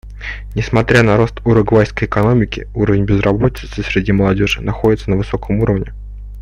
Несмотря на рост уругвайской экономики, уровень безработицы среди молодежи находится на высоком уровне.